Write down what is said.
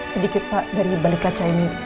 sedikit pak dari balik kaca ini